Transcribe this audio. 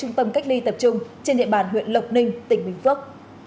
trung tâm cách ly tập trung trên địa bàn huyện lộc ninh tỉnh bình phước